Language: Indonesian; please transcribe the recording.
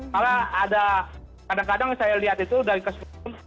malah ada kadang kadang saya lihat itu dari cash flow nya